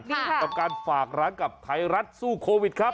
กับการฝากร้านกับไทยรัฐสู้โควิดครับ